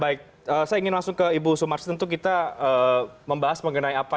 baik saya ingin langsung ke ibu sumarsi tentu kita membahas mengenai apa